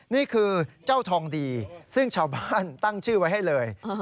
นี่คือเจ้าทองดีซึ่งชาวบ้านตั้งชื่อไว้ให้เลย